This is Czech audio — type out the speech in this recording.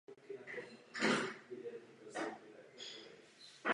Postupně byly postaveny objekty útvarů pohraniční stráže.